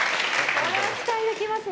これは期待できますね。